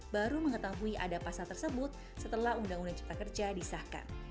baru mengetahui ada pasal tersebut setelah undang undang cipta kerja disahkan